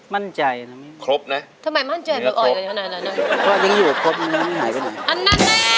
มั่นใจนะ